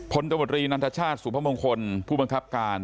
ตมตรีนันทชาติสุพมงคลผู้บังคับการ